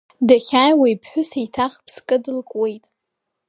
Дахьааиуа иԥҳәыс еиҭах ԥскы дылкуеит.